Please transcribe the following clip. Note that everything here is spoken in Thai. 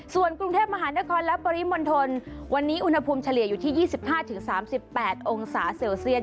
ส่วนกรุงเทพมหานครและปริมณฑลวันนี้อุณหภูมิเฉลี่ยอยู่ที่๒๕๓๘องศาเซลเซียส